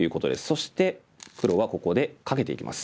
そして黒はここでカケていきます。